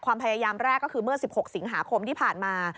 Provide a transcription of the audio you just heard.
ความพยายามแรกก็คือเมื่อ๑๖สิงหาคมที่ผ่านมา